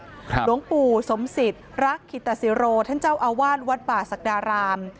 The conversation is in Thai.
หลวงปู่สมสิทธิ์รักคิตศิโรท่านเจ้าอาวาสวัดป่าศักดาราม